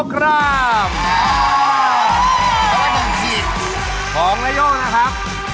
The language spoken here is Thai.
ของนโยงนะครับ